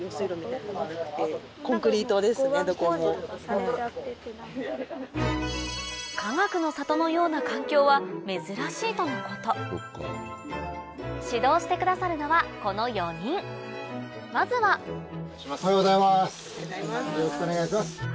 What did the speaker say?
ですねどこも。とのこと指導してくださるのはこの４人まずはおはようございますよろしくお願いします。